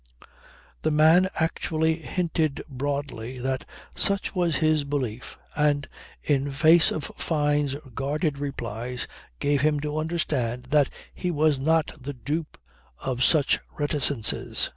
The man actually hinted broadly that such was his belief and in face of Fyne's guarded replies gave him to understand that he was not the dupe of such reticences.